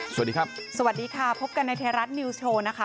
สวัสดีครับสวัสดีค่ะพบกันในไทยรัฐนิวส์โชว์นะคะ